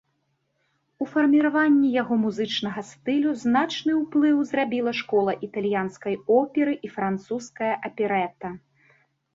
У фармаванні яго музычнага стылю значны ўплыў зрабіла школа італьянскай оперы і французская аперэта.